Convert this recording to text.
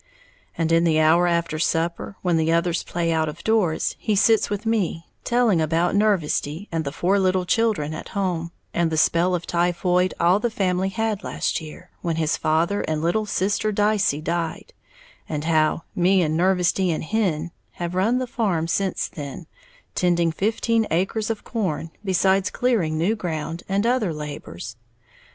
and in the hour after supper, when the others play out of doors, he sits with me, telling about Nervesty and the four little children at home, and the spell of typhoid all the family had last year, when his father and little sister Dicey died, and how "Me 'n' Nervesty and Hen" have run the farm since then, tending fifteen acres of corn, besides clearing new ground, and other labors.